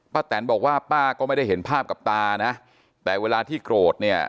แตนบอกว่าป้าก็ไม่ได้เห็นภาพกับตานะแต่เวลาที่โกรธเนี่ย